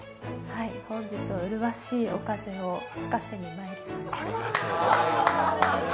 はい、本日は麗しいお風をお吹かせにまいりました。